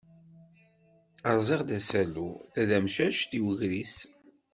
Rẓiɣ-d asalu tadamcact i wegris.